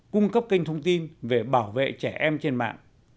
cung cấp kênh thông tin về bảo vệ trẻ em trên mạng